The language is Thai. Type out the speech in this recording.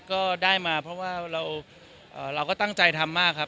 ก็ได้มาเพราะว่าเราก็ตั้งใจทำมากครับ